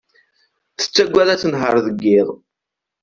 Tettaggad ad tenher deg yiḍ.